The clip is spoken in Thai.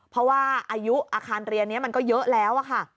เพราะว่าอายุอาคารเรียนนี้มันก็เยอะแล้วค่ะ